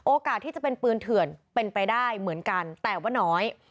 โอกาสที่จะเป็นปืนเถื่อนเป็นไปได้เหมือนกันแต่ว่าน้อย